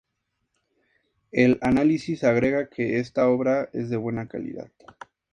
El análisis agrega que 'esta obra es de buena calidad'.